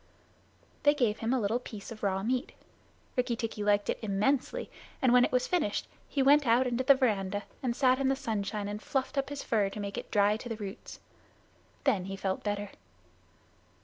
They gave him a little piece of raw meat. Rikki tikki liked it immensely, and when it was finished he went out into the veranda and sat in the sunshine and fluffed up his fur to make it dry to the roots. Then he felt better.